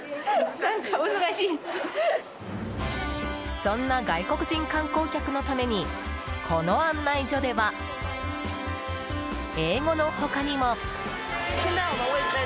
そんな外国人観光客のためにこの案内所では英語の他にも。